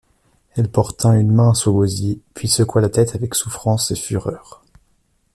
Elle porta une main à son gosier, puis secoua la tête avec souffrance et fureur.